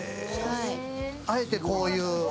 あえてこういう。